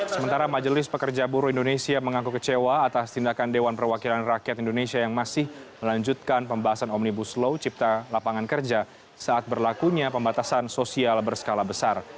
sementara majelis pekerja buruh indonesia mengaku kecewa atas tindakan dewan perwakilan rakyat indonesia yang masih melanjutkan pembahasan omnibus law cipta lapangan kerja saat berlakunya pembatasan sosial berskala besar